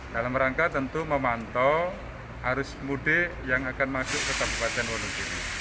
dalam rangka tentu memantau arus mudik yang akan masuk ke kabupaten wonogiri